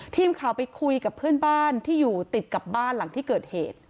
ทีมข่าวไปคุยกับเพื่อนบ้านที่อยู่ติดกับบ้านหลังที่เกิดเหตุ